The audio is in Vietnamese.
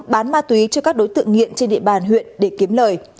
bán ma túy cho các đối tượng nghiện trên địa bàn huyện để kiếm lời